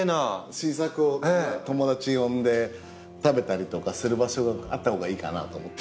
新作を友達呼んで食べたりとかする場所があった方がいいかなと思って。